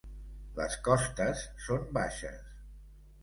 Les costes són baixes.